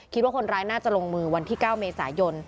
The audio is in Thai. คิดว่าคนร้ายน่าจะลงมือวันที่๙เมษายน